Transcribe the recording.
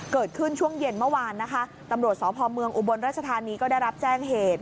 เกิดขึ้นช่วงเย็นเมื่อวานนะคะตำรวจสพเมืองอุบลราชธานีก็ได้รับแจ้งเหตุ